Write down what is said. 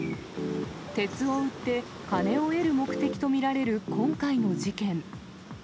鉄を売って、金を得る目的と見られる今回の事件。